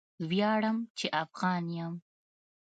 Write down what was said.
ویاړم چې افغان یم